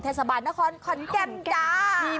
เทศบาลนครขอนแก่นจ้า